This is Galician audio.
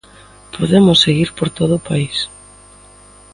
Podemos seguir por todo o país.